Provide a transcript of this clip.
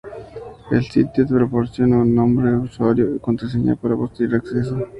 El sitio te proporcionaba un nombre de usuario y contraseña para posterior acceso.